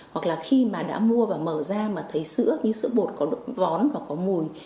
hoặc là khi mà đã mua và mở ra mà thấy sữa như sữa bột cón và có mùi